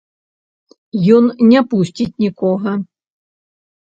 Ён не пусціць нікога.